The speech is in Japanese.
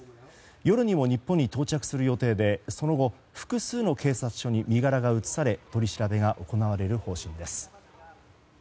夜にも日本に到着する予定でその後複数の警察署に身柄が移送され取り調べが行われる方針です。